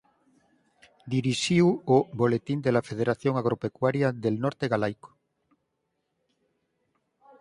Dirixiu o "Boletín de la Federación Agropecuaria del Norte Galaico".